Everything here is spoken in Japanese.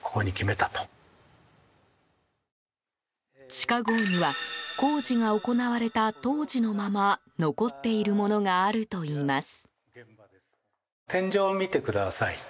地下壕には工事が行われた当時のまま残っているものがあるといいます。